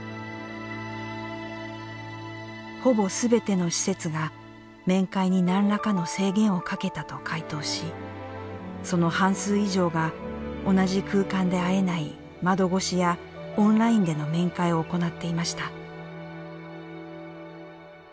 ほぼすべての施設が面会になんらかの制限をかけたと回答しその半数以上が同じ空間で会えない窓越しやオンラインでの面会を行っていました。